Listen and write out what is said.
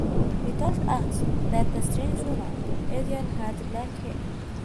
She told us that the strange woman Adele had black hair.